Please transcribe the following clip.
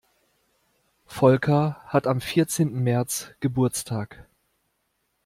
Volker hat am vierzehnten März Geburtstag.